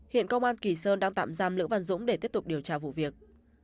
hiện công an kỳ sơn đang tạm giam lữ văn dũng để tiếp tục điều tra vụ việc